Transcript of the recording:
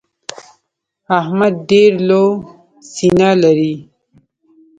احمد ډېره لو سينه لري.